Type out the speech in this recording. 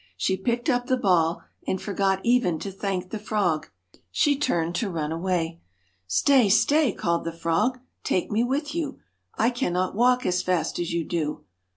She picked up the ball, and forgot even to thank the frog. She turned to run away. * Stay 1 stay 1 ' called the frog ;' take me with you, I cannot walk as fast as you do.